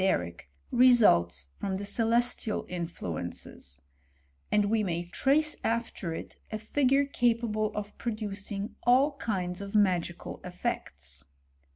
155 mieric, results from the celestial influences ; and we may trace after it a figure capable of producing all kinds of magical effects.